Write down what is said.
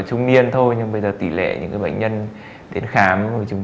người trẻ thôi nhưng bây giờ tỷ lệ những cái bệnh nhân đến khám với người chúng